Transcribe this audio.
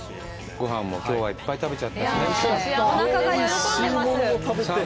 ごはんも今日はいっぱい食べちゃったしさぁ